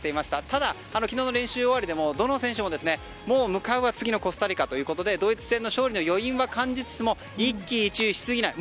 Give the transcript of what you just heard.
ただ、昨日の練習終わりでもどの選手も向かうは次のコスタリカということでドイツ戦の勝利の余韻は感じつつも一喜一憂しすぎない。